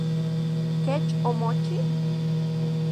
¿Kech omochi?